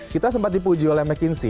kita sempat dipuji oleh mcinshi